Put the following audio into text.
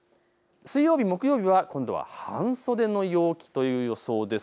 水曜日、木曜日は今度は半袖の陽気という予想です。